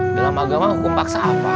dalam agama hukum paksa apa